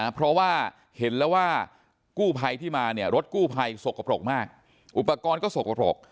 เพราะว่าเห็นแล้วว่ากู้ภัยที่มาเนี่ยรถกู้ภัยสกปรกมากอุปกรณ์ก็สกปรก